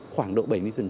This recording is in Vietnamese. khoảng độ bảy mươi